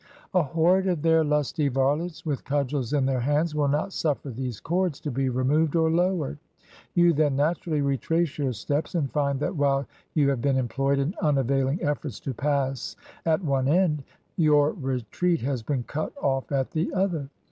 A horde of their lusty varlets, with cudgels in their hands, will not suffer these cords to be removed or lowered; you then naturally retrace your steps, and find that while you have been employed in unavailing efforts to pass at one end, your retreat has been cut off at the other.